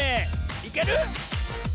いける？